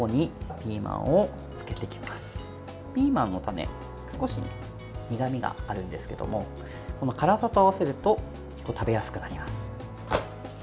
ピーマンの種少し苦みがあるんですけども辛さと合わせると食べやすくなります。